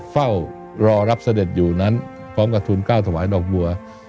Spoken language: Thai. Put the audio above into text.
เฝ้ารอรับเสด็จอยู่นั้นพร้อมกับทุนก้าวถวายดอกบัว